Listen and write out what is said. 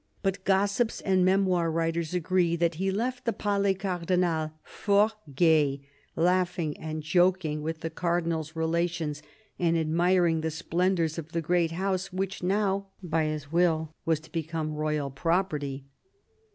But gossips and memoir writers agree that he left the Palais Cardinal "fort gai," laughing and joking with the Cardinal's rela tions and admiring the splendours of the great house which now, by his will, was to become royal property.